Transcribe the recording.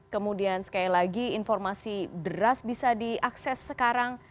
kemudian sekali lagi informasi beras bisa diakses sekarang